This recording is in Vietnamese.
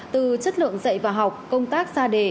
từ chất lượng dạy và học công tác ra đề